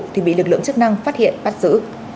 thì bị lực lượng chức năng phát hiện bắt giữ